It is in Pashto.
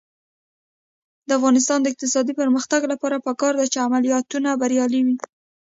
د افغانستان د اقتصادي پرمختګ لپاره پکار ده چې عملیاتونه بریالي وي.